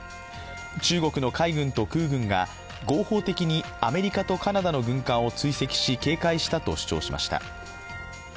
中国の海軍と空軍が合法的にアメリカとカナダの軍艦を追跡し、警戒したと主張しました。